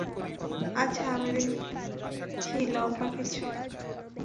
আচ্ছা, আমি দেখি লম্বা কিছু।